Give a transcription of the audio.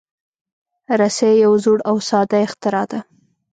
رسۍ یو زوړ او ساده اختراع ده.